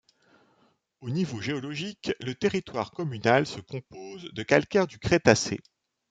Au niveau géologique, le territoire communal se compose de calcaires du Crétacé.